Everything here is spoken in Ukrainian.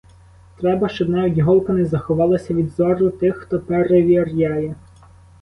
Треба, щоб навіть голка не заховалася від зору тих, хто перевіряє.